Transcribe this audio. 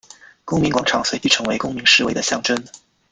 公民广场随即成为公民示威的象征。